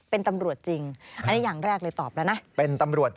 เป็นตำรวจจริงอันนี้อย่างแรกเลยตอบแล้วนะ